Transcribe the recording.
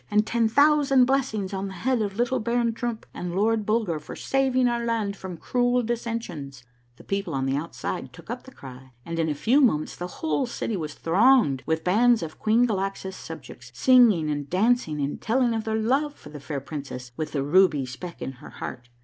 and ten thousand blessings on the head of little Baron Trump and Lord Bulger for saving our land from cruel dissensions I " The people on the outside took up the cry, and in a few moments the whole city was thronged with bands of Queen Galaxa's subjects, singing and dancing and telling of their love for the fair princess with the ruby speck in her heart.